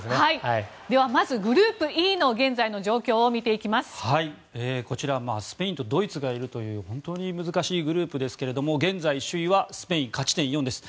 では、まずグループＥの現在の状況をこちら、スペインとドイツがいる本当に難しいグループですが現在、首位はスペイン勝ち点４です。